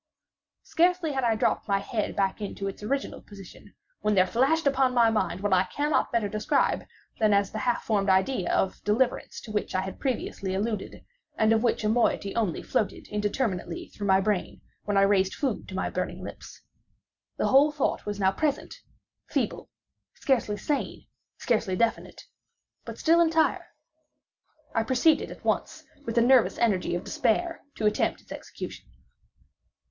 Scarcely had I dropped my head back into its original position, when there flashed upon my mind what I cannot better describe than as the unformed half of that idea of deliverance to which I have previously alluded, and of which a moiety only floated indeterminately through my brain when I raised food to my burning lips. The whole thought was now present—feeble, scarcely sane, scarcely definite,—but still entire. I proceeded at once, with the nervous energy of despair, to attempt its execution.